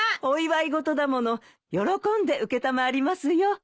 お祝いごとだもの喜んで承りますよ。